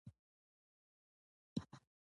تاریخ د انسانیت انځور دی.